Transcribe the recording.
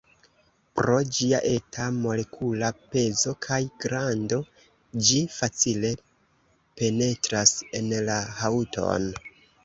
Pro ĝia eta molekula pezo kaj grando, ĝi facile penetras en la haŭton.